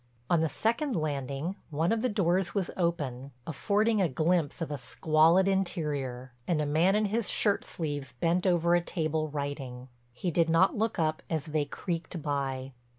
On the second landing one of the doors was open, affording a glimpse of a squalid interior, and a man in his shirt sleeves bent over a table writing. He did not look up as they creaked by.